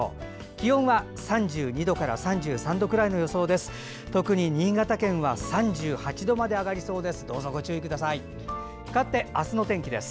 気温は３２度から３３度くらいの予想です。